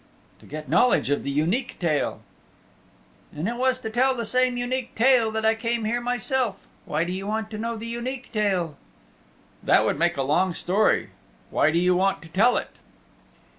"To get knowledge of the Unique Tale." "And it was to tell the same Unique Tale that I came here myself. Why do you want to know the Unique Tale?" "That would make a long story. Why do you want to tell it?"